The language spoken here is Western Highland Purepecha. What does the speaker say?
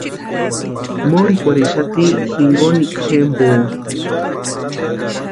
Morhikwarhixati jinkonikwa jempo.